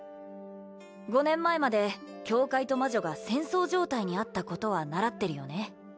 ５年前まで教会と魔女が戦争状態にあったことは習ってるよね